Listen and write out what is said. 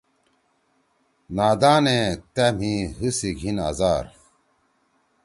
نادانے تأ مھی حی سی گھیِن آزار